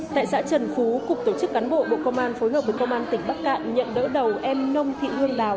tại xã trần phú cục tổ chức cán bộ bộ công an phối hợp với công an tỉnh bắc cạn nhận đỡ đầu em nông thị hương đào